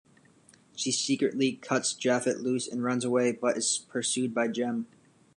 She secretly cuts Japhett loose and runs away, but is pursued by Jem.